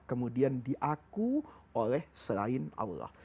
kemudian diaku oleh selain allah